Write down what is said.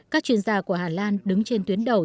các chuyên gia của hà lan đứng trên tuyến đầu